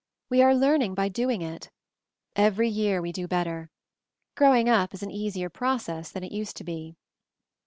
We are learn ing by doing it. Every year we do better. ' Growing up' is an easier process than it used to be."